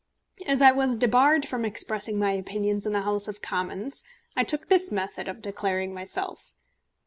As I was debarred from expressing my opinions in the House of Commons, I took this method of declaring myself.